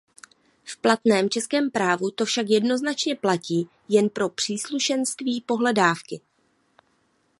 V platném českém právu to však jednoznačně platí jen pro příslušenství pohledávky.